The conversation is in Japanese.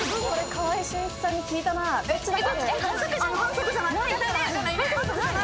川合俊一さんに聞いたんや。